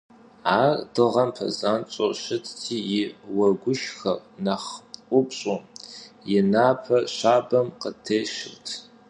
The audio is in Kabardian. Ар дыгъэм пэзанщӀэу щытти, и уэгушхэр нэхъ ӀупщӀу и напэ щабэм къытещырт.